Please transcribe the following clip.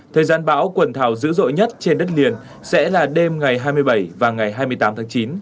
thời gian bão quần thảo dữ dội nhất trên đất liền sẽ là đêm ngày hai mươi bảy và ngày hai mươi tám tháng chín